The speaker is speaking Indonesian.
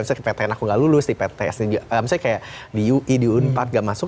misalnya ptn aku gak lulus di pt s misalnya kayak di ui di u empat gak masuk